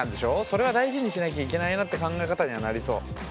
それは大事にしなきゃいけないなって考え方にはなりそう。